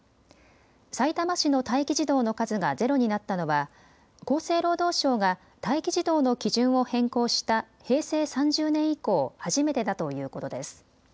さいたま市の待機児童の数がゼロになったのは厚生労働省が待機児童の基準を変更した平成３０年以降、初めてだということです。